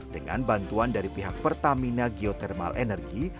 dengan bantuan dari pihak pertamina geothermal energy